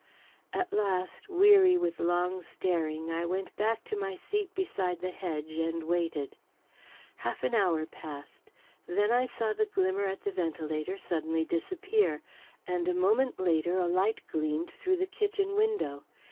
At last, weary with long staring, I went back to my seat beside the hedge and waited. Half an hour passed, then I saw the glimmer at the ventilator suddenly disappear, and a moment later, a light gleamed through the kitchen window.